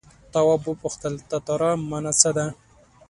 تواب وپوښتل تتارا مانا څه ده.